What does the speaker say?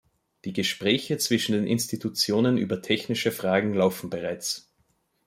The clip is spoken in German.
Die Gespräche zwischen den Institutionen über technische Fragen laufen bereits.